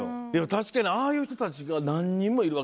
確かにああいう人たちが何人もいるわけだ。